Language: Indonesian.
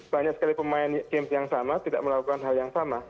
banyak sekali pemain game yang sama tidak melakukan hal yang sama